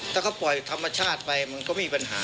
ถ้าเขาปล่อยธรรมชาติไปมันก็มีปัญหา